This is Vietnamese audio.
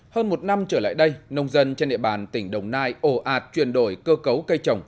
hơn một năm trở lại đây nông dân trên địa bàn tỉnh đồng nai ổ ạt chuyển đổi cơ cấu cây trồng